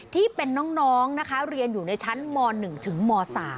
ที่เป็นน้องนะคะเรียนอยู่ในชั้นม๑ถึงม๓